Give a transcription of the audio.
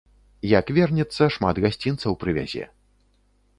Як вернецца, шмат гасцінцаў прывязе.